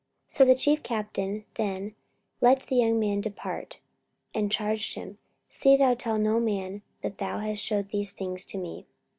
44:023:022 So the chief captain then let the young man depart, and charged him, See thou tell no man that thou hast shewed these things to me.